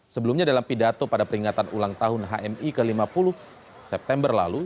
sebelumnya dalam pidato pada peringatan ulang tahun hmi ke lima puluh september lalu